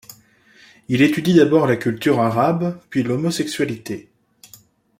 Il étudie d’abord la culture arabe puis l’homosexualité.